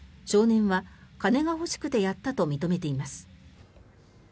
少年は金が欲しくてやったと認めています。